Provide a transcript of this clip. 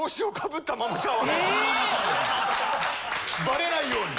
バレないように。